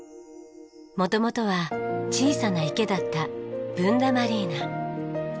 元々は小さな池だったブンダマリーナ。